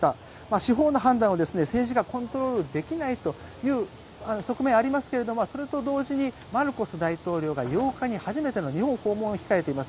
司法の判断は政治がコントロールできないという側面はありますけれどもそれと同時にマルコス大統領が８日に初めての日本訪問を控えています。